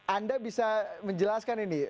anda bisa menjelaskan ini